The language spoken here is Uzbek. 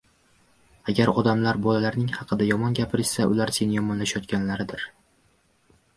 Agar odamlar bolalaring haqida yomon gapirishsa, ular seni yomonlayotganlaridir.